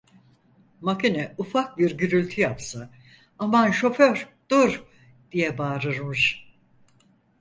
Makine ufak bir gürültü yapsa, "aman şoför dur!" diye bağırırmış.